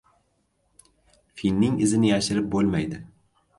• Filning izini yashirib bo‘lmaydi.